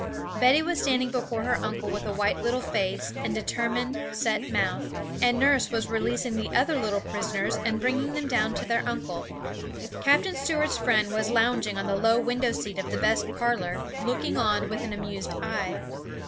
Betty was standing before her uncle with a white little face and determined, set mouth, and nurse was releasing the other little prisoners and bringing them down to their uncle. Captain Stuart's friend was lounging on the low window seat of the best parlour, looking on with an amused eye.